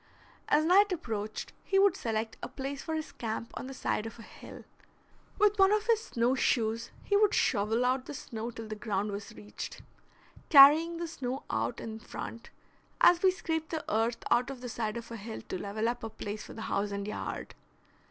As night approached, he would select a place for his camp on the side of a hill. With one of his snow shoes he would shovel out the snow till the ground was reached, carrying the snow out in front, as we scrape the earth out of the side of a hill to level up a place for the house and yard.